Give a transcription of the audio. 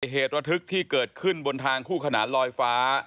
เหตุระทึกที่เกิดขึ้นบนทางคู่ขนานลอยฟ้า